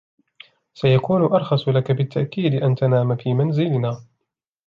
سيكون أرخص لك بالتأكيد أن تنام في منزلنا.